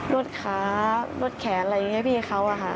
รถขารถแขนอะไรอย่างนี้พี่เขาอะค่ะ